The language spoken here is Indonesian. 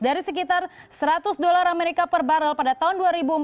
dari sekitar seratus dolar amerika per barrel pada tahun dua ribu empat belas